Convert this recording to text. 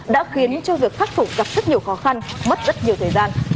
đã khiến cho việc khắc phục gặp rất nhiều khó khăn mất rất nhiều thời gian